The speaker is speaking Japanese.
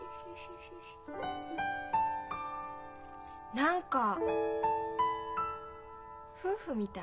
何か夫婦みたい。